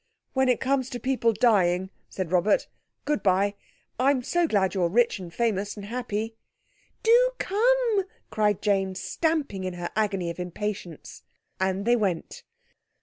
"When it comes to people dying," said Robert, "good bye! I'm so glad you're rich and famous and happy." "Do come!" cried Jane, stamping in her agony of impatience. And they went.